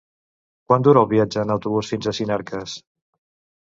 Quant dura el viatge en autobús fins a Sinarques?